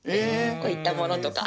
こういったものとか。